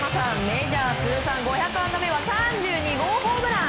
メジャー通算５００安打目は３２号ホームラン。